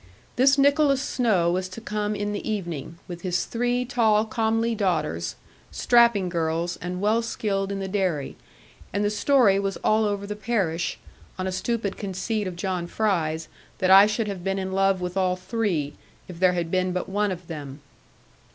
This Nicholas Snowe was to come in the evening, with his three tall comely daughters, strapping girls, and well skilled in the dairy; and the story was all over the parish, on a stupid conceit of John Fry's, that I should have been in love with all three, if there had been but one of them.